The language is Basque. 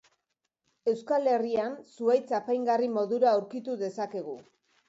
Euskal Herrian zuhaitz apaingarri modura aurkitu dezakegu.